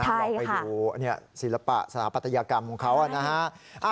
ลองไปดูศิลปะสถาปัตยกรรมของเขานะฮะ